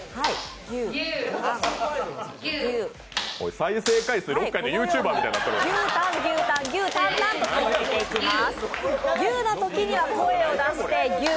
再生回数６回で、ＹｏｕＴｕｂｅｒみたいになってるやん。